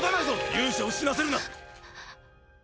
勇者を死なせるな！